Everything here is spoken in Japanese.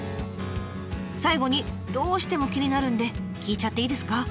最後にどうしても気になるんで聞いちゃっていいですか？